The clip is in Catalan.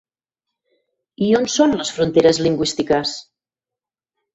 I on són les fronteres lingüístiques?